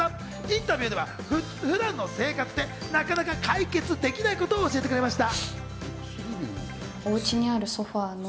インタビューでは普段の生活でなかなか解決できないことを教えてくれました。